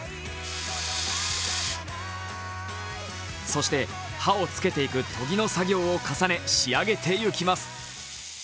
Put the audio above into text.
そして、刃を付けていく研ぎの作業を重ね仕上げていきます。